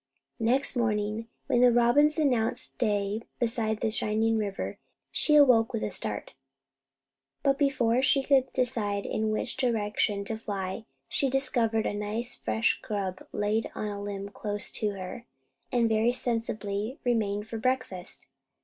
Next morning, when the robins announced day beside the shining river, she awoke with a start; but before she could decide in which direction to fly, she discovered a nice fresh grub laid on the limb close to her, and very sensibly remained for breakfast.